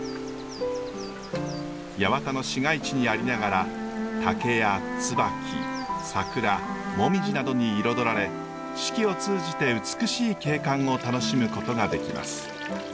八幡の市街地にありながら竹や椿桜紅葉などに彩られ四季を通じて美しい景観を楽しむことができます。